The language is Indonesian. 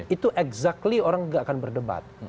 itu exactly orang gak akan berdebat